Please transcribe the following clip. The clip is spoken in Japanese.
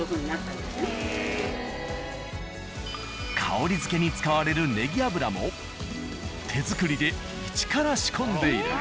香り付けに使われるネギ油も手作りで一から仕込んでいる。